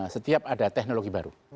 setiap ada teknologi baru